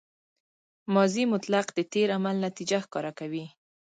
ماضي مطلق د تېر عمل نتیجه ښکاره کوي.